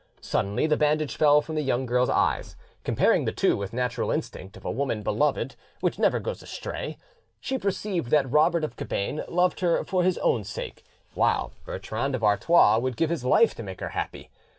Suddenly the bandage fell from the young girl's eyes; comparing the two with the natural instinct of a woman beloved which never goes astray, she perceived that Robert of Cabane loved her for his own sake, while Bertrand of Artois would give his life to make her happy.